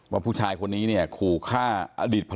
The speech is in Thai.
ว่าผู้ชายคนนี้เนี่ยคู่ฆ่าอดีตภรรยาจริงนะครับผู้ชมครับ